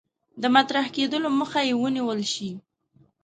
د مطرح کېدلو مخه یې ونیول شي.